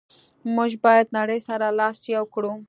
موږ باید نړی سره لاس یو کړو.